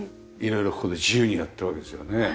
色々ここで自由にやってるわけですよね。